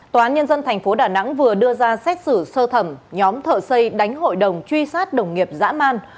tòa án nhân dân tp đà nẵng vừa đưa ra xét xử sơ thẩm nhóm thợ xây đánh hội đồng truy sát đồng nghiệp dã man